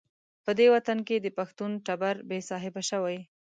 په دې وطن کې د پښتون ټبر بې صاحبه شوی.